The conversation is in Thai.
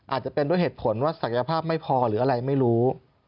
อาจจะเป็นด้วยเหตุผลว่าศักยภาพไม่พอหรืออะไรไม่รู้